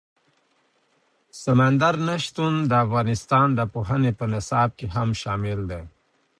سمندر نه شتون د افغانستان د پوهنې په نصاب کې هم شامل دي.